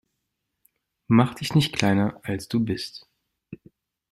Mach dich nicht kleiner, als du bist.